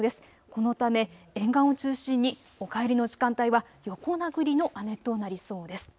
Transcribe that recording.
このため沿岸を中心にお帰りの時間帯は横殴りの雨となりそうです。